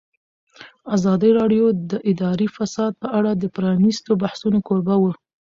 ازادي راډیو د اداري فساد په اړه د پرانیستو بحثونو کوربه وه.